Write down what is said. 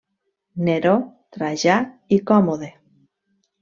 Neró, Trajà i Còmode.